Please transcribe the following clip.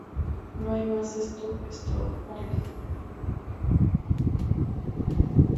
¡ No hay más! ¡ esto es todo el barril!